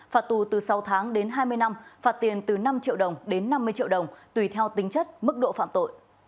phạt tù từ sáu tháng đến hai mươi năm phạt tiền từ năm triệu đồng đến năm mươi triệu đồng tùy theo tính chất mức độ phạm tội